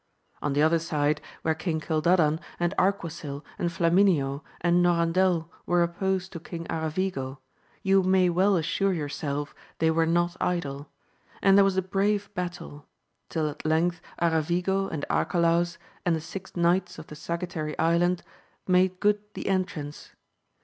On the other side, where King Cildadan, and Arquisil, and Flamineo, and No randel were opposed to King Aravigo, you may well assure yourself they were not idle ; and there was a brave battle, till at length Aravigo and ArcaJaus, and the six knights of the Saggitary Island, made good the entrance.